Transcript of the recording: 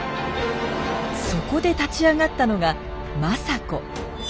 そこで立ち上がったのが政子。